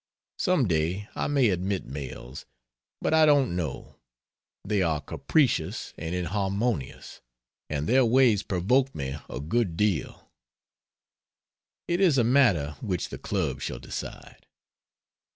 Some day I may admit males, but I don't know they are capricious and inharmonious, and their ways provoke me a good deal. It is a matter which the Club shall decide.